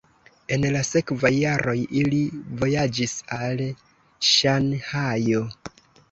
En la sekvaj jaroj ili vojaĝis al Ŝanhajo.